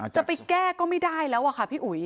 จะไปแก้ก็ไม่ได้แล้วอะค่ะพี่อุ๋ย